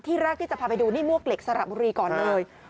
แรกที่จะพาไปดูนี่มวกเหล็กสระบุรีก่อนเลย